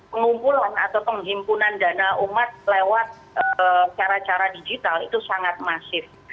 pengumpulan atau penghimpunan dana umat lewat cara cara digital itu sangat masif